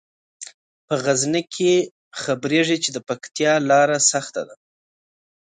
په غزني کې خبریږي چې د پکتیا لیاره سخته ده.